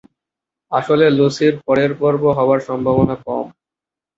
আসলে লুসির পরের পর্ব হবার সম্ভাবনা কম।